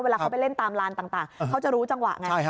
เวลาเขาไปเล่นตามลานต่างเขาจะรู้จังหวะไง